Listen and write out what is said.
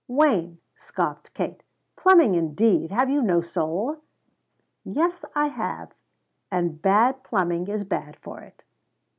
"Wayne," scoffed Kate, "plumbing indeed! Have you no soul?" "Yes, I have; and bad plumbing is bad for it."